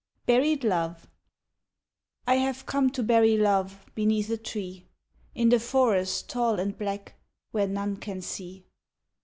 Buried Love I have come to bury Love Beneath a tree, In the forest tall and black Where none can see.